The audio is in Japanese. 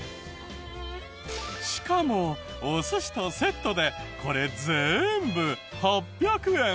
しかもお寿司とセットでこれ全部８００円！